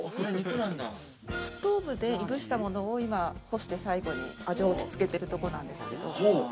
ストーブで燻したものを今こうして最後に味を落ち着けてるところなんですけど。